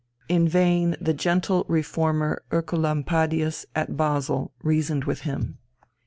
In vain the gentle Reformer Oecolampadius at Basle reasoned with him.